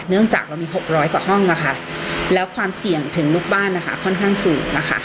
เนื่องจากเรามี๖๐๐กว่าห้องนะคะแล้วความเสี่ยงถึงลูกบ้านนะคะค่อนข้างสูงนะคะ